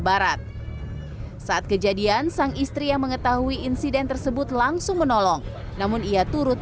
barat saat kejadian sang istri yang mengetahui insiden tersebut langsung menolong namun ia turut